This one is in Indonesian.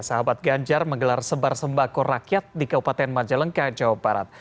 sahabat ganjar menggelar sebar sembako rakyat di kabupaten majalengka jawa barat